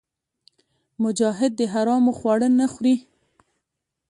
مجاهد د حرامو خواړه نه خوري.